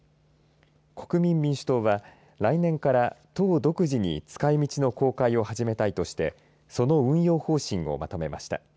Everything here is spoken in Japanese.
国民民主党は来年から党独自に使いみちの公開を始めたいとしてその運用方針をまとめました。